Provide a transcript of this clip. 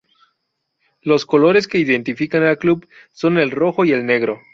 Los colores que identifican al club son el rojo y el negro.